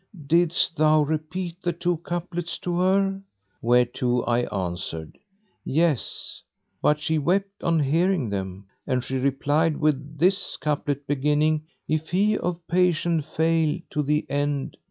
didst thou repeat the two couplets to her?" whereto I answered, "Yes; but she wept on hearing them; and she replied with this couplet beginning, If he of patience fail, to the end."